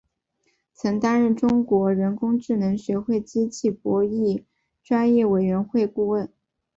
曾担任中国人工智能学会机器博弈专业委员会顾问。